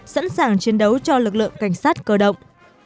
sẵn sàng chiến đấu cho lực lượng cảnh sát cơ động